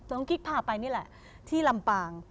ต้องกิ๊กผ่าไปนี่แหละที่ลำปาง